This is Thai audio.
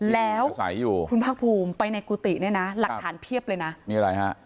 แล้วคุณภาคภูมิไปในกุฏิเนี่ยนะหลักฐานเพียบเลยนะมีอะไรฮะ